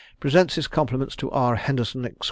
presents his compliments to R. Henderson, Esq.